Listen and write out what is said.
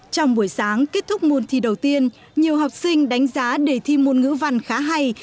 trong buổi sáng kết thúc môn thi đầu tiên nhiều học sinh đánh giá đề thi môn ngữ văn khá hay